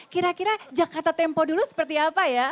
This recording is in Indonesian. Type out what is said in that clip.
kira kira jakarta tempo dulu seperti apa ya